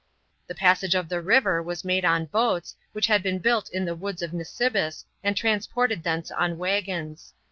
The passage of the river was made on boats, which had been built in the woods of Nisibis and transported thence on waggons.